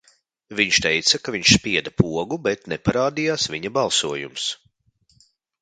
Viņš teica, ka viņš spieda pogu, bet neparādījās viņa balsojums.